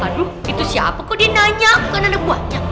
aduh itu siapa kok dia nanya aku kan ada buatnya